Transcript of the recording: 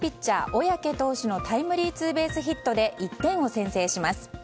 小宅投手のタイムリーツーベースヒットで１点を先制します。